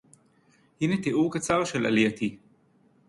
הנה תיאור קצר של עלייתי.